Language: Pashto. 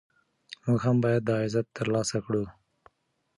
موږ هم باید دا عزت ترلاسه کړو.